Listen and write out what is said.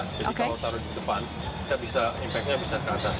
jadi kalau taruh di depan impact nya bisa ke atas